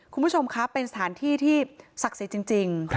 คุณผู้ชมครับเป็นสถานที่ที่ศักดิ์สิทธิ์จริง